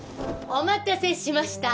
お待たせしました。